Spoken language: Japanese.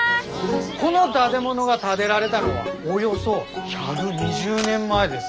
この建物が建でられだのはおよそ１２０年前です。